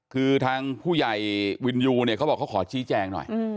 คือทางผู้ใหญ่วินยูเนี่ยเขาบอกเขาขอชี้แจงหน่อย